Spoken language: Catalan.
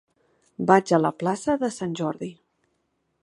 Vaig a la plaça de Sant Jordi.